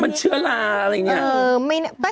มันเชื้อลาอะไรอย่างนี้